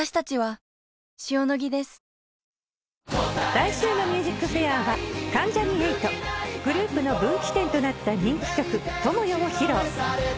来週の『ＭＵＳＩＣＦＡＩＲ』は関ジャニ∞グループの分岐点となった人気曲『友よ』を披露。